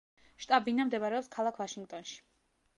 შტაბ-ბინა მდებარეობს ქალაქ ვაშინგტონში.